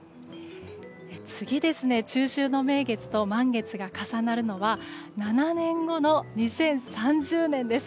次に、中秋の名月と満月が重なるのは７年後の２０３０年です。